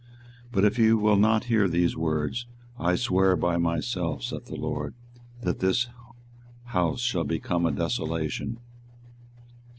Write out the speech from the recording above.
24:022:005 But if ye will not hear these words, I swear by myself, saith the LORD, that this house shall become a desolation.